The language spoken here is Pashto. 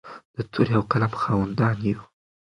د تورې او قلم خاوندان یو.